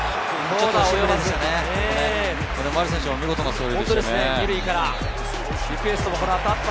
丸選手も見事な走塁でした。